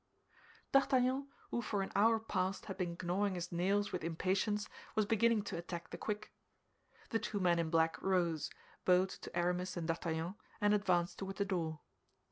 D'Artagnan, who for an hour past had been gnawing his nails with impatience, was beginning to attack the quick. The two men in black rose, bowed to Aramis and D'Artagnan, and advanced toward the door.